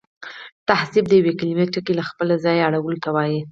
تصحیف د یوې کليمې ټکي له خپله ځایه اړولو ته وا يي.